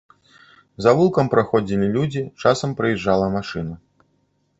Завулкам праходзілі людзі, часам праязджала машына.